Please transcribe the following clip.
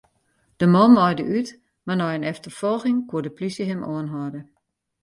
De man naaide út, mar nei in efterfolging koe de plysje him oanhâlde.